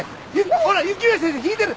ほら雪宮先生引いてる！